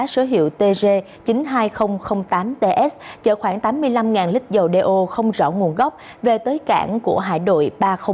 số hiệu tg chín mươi hai nghìn tám ts chở khoảng tám mươi năm lít dầu đeo không rõ nguồn gốc về tới cảng của hải đội ba trăm linh một